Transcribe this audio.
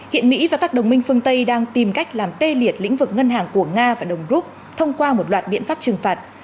hiện mỹ và các đồng minh phương tây đang tìm cách làm tê liệt lĩnh vực ngân hàng của nga và đồng rút thông qua một loạt biện pháp trừng phạt